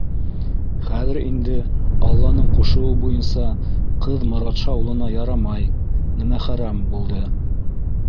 Хәҙер инде, алланың ҡушыуы буйынса, ҡыҙ Моратша улына ярамай, нәмәхәрәм булды.